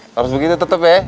harus begitu tetep ya